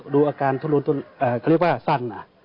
ดูอาการทะลุนเขาเรียกว่าสั้น